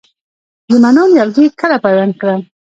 د مڼو نیالګي کله پیوند کړم؟